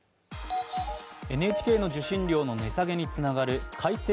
ＮＨＫの受信料の値下げにつながる改正